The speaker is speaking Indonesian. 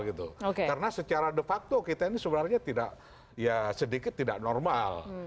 karena secara de facto kita ini sebenarnya tidak ya sedikit tidak normal